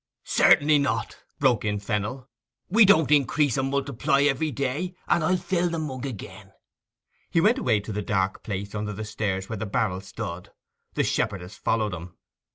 'Certainly not,' broke in Fennel. 'We don't increase and multiply every day, and I'll fill the mug again.' He went away to the dark place under the stairs where the barrel stood. The shepherdess followed him.